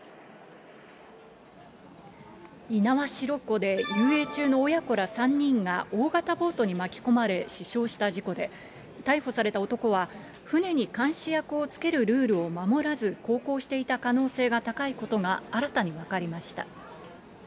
猪苗代湖で遊泳中の親子ら３人が大型ボートに巻き込まれ死傷した事故で、逮捕された男は、船に監視役をつけるルールを守らず航行していた可能性が高いことが新たに分かりました。